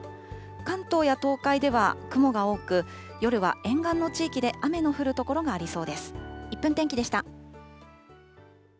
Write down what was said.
関東や東海では雲が多く、夜は沿岸の地域で雨の降る所がありそうです。